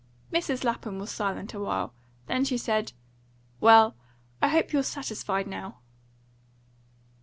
Mrs. Lapham was silent a while. Then she said: "Well, I hope you're satisfied now."